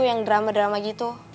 yang drama drama gitu